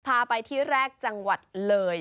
พาไปที่แรกจังหวัดเลย